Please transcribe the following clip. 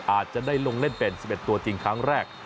อาจจะได้ลงเล่นเป็น๑๑ตัวจริงครั้งแรก